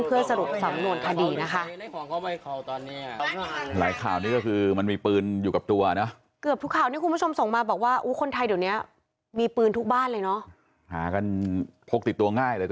เพื่อสรุปสำนวนคดีนะคะ